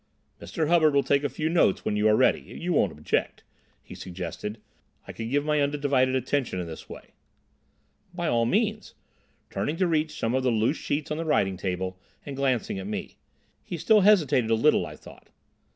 "Mr. Hubbard will take a few notes when you are ready—you won't object," he suggested; "I can give my undivided attention in this way." "By all means," turning to reach some of the loose sheets on the writing table, and glancing at me. He still hesitated a little, I thought.